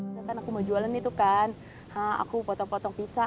misalkan aku mau jualan itu kan aku potong potong pisang